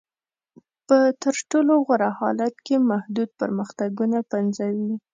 په تر ټولو غوره حالت کې محدود پرمختګونه پنځوي.